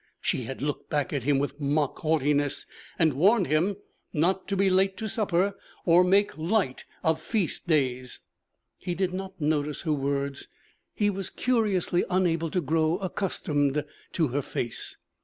She had looked back at him with mock haughtiness and warned him not to be late to supper, or make light of feast days. He did not notice her words; he was curiously unable to grow accustomed to her face.